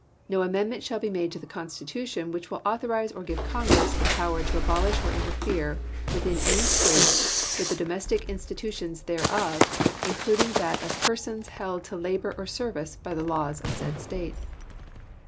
No amendment shall be made to the Consti tution which will authorize or give to Congress the power to abolish or interfere within any State with the domestic institutions thereof, including that of persons held to labor or service by the laws of said State.